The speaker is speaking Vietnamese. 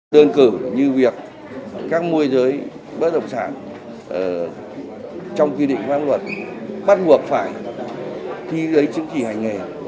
đơn cử như việc các môi giới bất động sản trong quy định pháp luật bắt buộc phải thi giấy chứng chỉ hành nghề